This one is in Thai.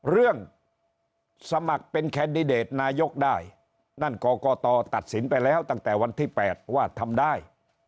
สมัครเป็นแคนดิเดตนายกได้นั่นกรกตตัดสินไปแล้วตั้งแต่วันที่๘ว่าทำได้